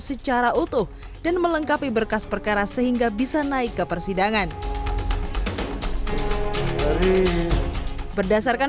secara utuh dan melengkapi berkas perkara sehingga bisa naik ke persidangan berdasarkan